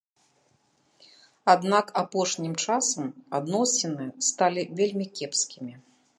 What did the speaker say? Аднак апошнім часам адносіны сталі вельмі кепскімі.